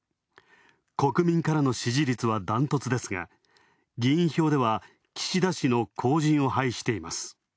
国民からの支持率はダントツですが、議員票では岸田氏の後塵を拝しています。